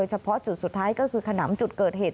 เฉพาะจุดสุดท้ายก็คือขนำจุดเกิดเหตุ